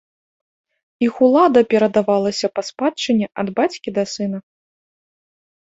Іх улада перадавалася па спадчыне ад бацькі да сына.